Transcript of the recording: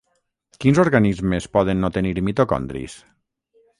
Quins organismes poden no tenir mitocondris?